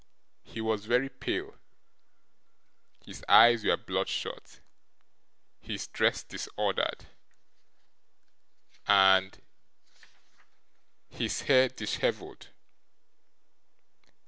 He was very pale, his eyes were bloodshot, his dress disordered, and his hair dishevelled.